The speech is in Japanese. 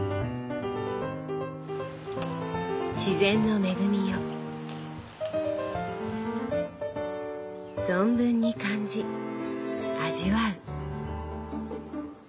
自然の恵みを存分に感じ味わう。